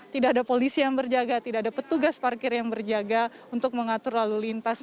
tidak ada polisi yang berjaga tidak ada petugas parkir yang berjaga untuk mengatur lalu lintas